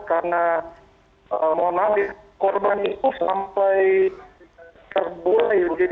karena mohon maaf korban itu sampai terbulai